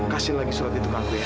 kasih lagi surat itu kak ya